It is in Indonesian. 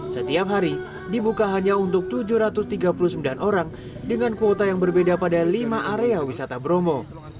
setiap hari dibuka hanya untuk tujuh ratus tiga puluh sembilan orang dengan kuota yang berbeda pada lima area wisata bromo